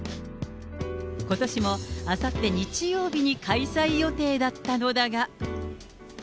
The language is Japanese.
ことしも、あさって日曜日に開催予定だったのだが。